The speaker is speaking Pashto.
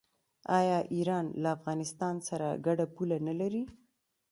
آیا ایران له افغانستان سره ګډه پوله نلري؟